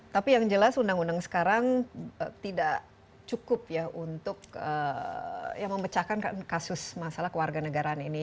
tapi yang jelas undang undang sekarang tidak cukup ya untuk ya memecahkan kasus masalah keluarga negaraan ini